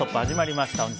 始まりました。